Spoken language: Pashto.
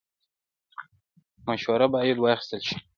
مشوره باید واخیستل شي